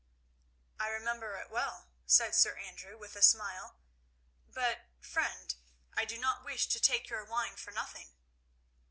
"I remember it well," said Sir Andrew, with a smile; "but, friend, I do not wish to take your wine for nothing."